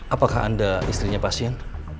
apakah anda istrinya pasien